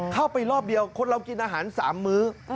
เข้าไปรอบเดียวคนเรากินอาหาร๓มื้อ